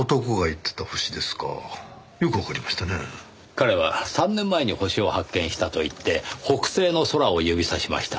彼は３年前に星を発見したと言って北西の空を指さしました。